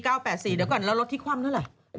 เดี๋ยวก่อนเราลดที่ความเท่าไร